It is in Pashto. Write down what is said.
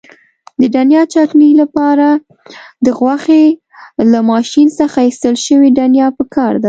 د دڼیا چکنۍ لپاره د غوښې له ماشین څخه ایستل شوې دڼیا پکار ده.